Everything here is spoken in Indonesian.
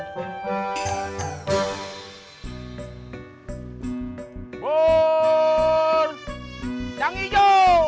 buur yang hijau